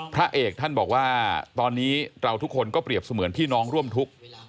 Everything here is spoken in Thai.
พระเอกท่านบอกว่าตอนนี้เราทุกคนก็เปรียบเสมือนพี่น้องร่วมทุกข์